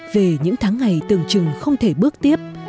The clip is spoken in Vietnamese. về những tháng ngày tưởng chừng không thể bước tiếp